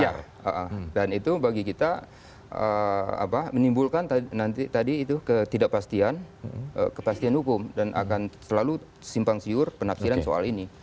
ya dan itu bagi kita menimbulkan nanti tadi itu ketidakpastian kepastian hukum dan akan selalu simpang siur penafsiran soal ini